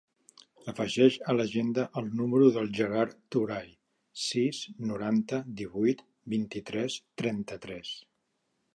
Afegeix a l'agenda el número del Gerard Touray: sis, noranta, divuit, vint-i-tres, trenta-tres.